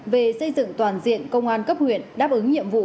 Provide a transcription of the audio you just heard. về xây dựng toàn diện công an cấp huyện đáp ứng nhiệm vụ